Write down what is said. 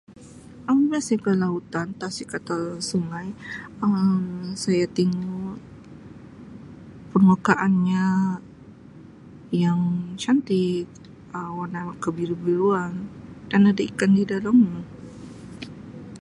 [unintelligible] ke lautan, tasik atau sungai Um saya tingu permukaannya yang cantik Um warna kebiru-biruan dan ada ikan di dalamnya.